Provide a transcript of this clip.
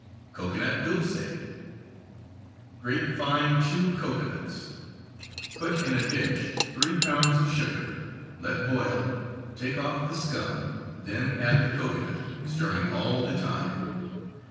Cocoanut dulce: Grate fine two cocoanuts. Put in a dish three pounds of sugar, let boil, take off the scum, then add the cocoanut, stirring all the time.